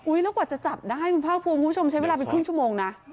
แล้วกว่าจะจับได้คุณภาคภูมิคุณผู้ชมใช้เวลาเป็นครึ่งชั่วโมงนะ